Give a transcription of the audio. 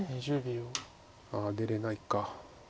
ああ出れないか。